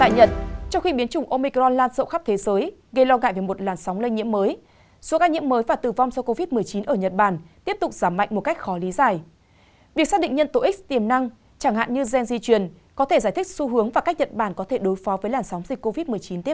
các bạn hãy đăng ký kênh để ủng hộ kênh của chúng mình nhé